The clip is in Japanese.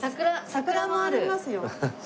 桜もありますよ。